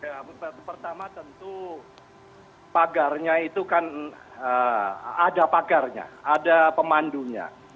ya pertama tentu pagarnya itu kan ada pagarnya ada pemandunya